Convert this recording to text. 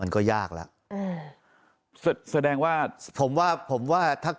ก็ยากแล้ว